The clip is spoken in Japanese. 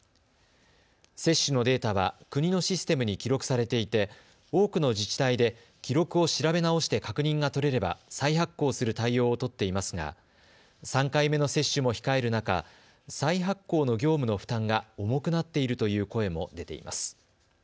接種のデータは国のシステムに記録されていて多くの自治体で記録を調べ直して確認が取れれば再発行する対応を取っていますが３回目の接種も控える中、再発行の業務の負担が重くなっているという声も出ています。